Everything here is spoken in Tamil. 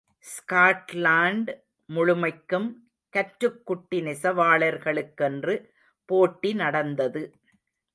ஸ்காட்லாண்ட் முழுமைக்கும், கற்றுக்குட்டி நெசவாளர்களுக்கென்று போட்டி நடந்தது.